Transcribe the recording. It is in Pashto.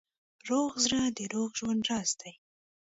روغ زړه د روغ ژوند راز دی.